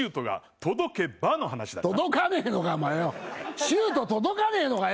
届かねえのかよ、シュート届かねえのかよ。